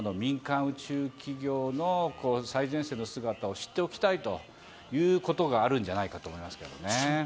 民間宇宙企業の最前線の姿を知っておきたいということがあるんじゃないかと思いますね。